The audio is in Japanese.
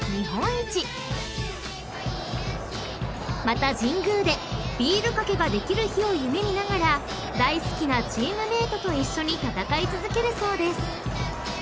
［また神宮でビール掛けができる日を夢見ながら大好きなチームメートと一緒に戦い続けるそうです］